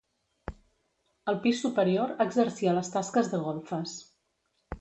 El pis superior exercia les tasques de golfes.